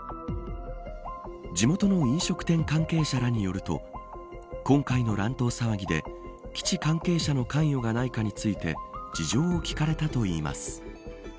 地元の飲食店関係者らによると今回の乱闘騒ぎで基地関係者の関与がないかについて事情を聴かれたといいます。